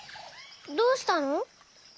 どうしたの？